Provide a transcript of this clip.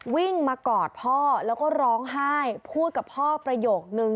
วิ่งมากอดพ่อแล้วก็ร้องไห้พูดกับพ่อประโยคนึง